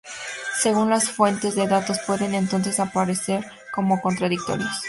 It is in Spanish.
Según las fuentes, los datos pueden entonces aparecer como contradictorios.